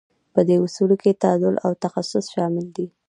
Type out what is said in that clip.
په دې اصولو کې تعادل او تخصص شامل دي.